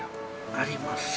あります。